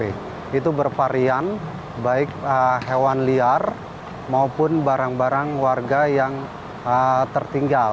itu bervarian baik hewan liar maupun barang barang warga yang tertinggal